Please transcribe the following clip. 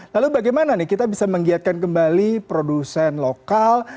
lalu bagaimana nih kita bisa menggiatkan kembali produsen lokal